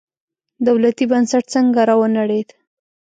دولتي بنسټ څنګه راونړېد.